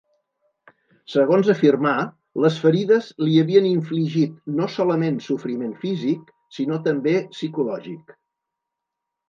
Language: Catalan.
Segons afirmà, les ferides li havien infligit no solament sofriment físic, sinó també psicològic.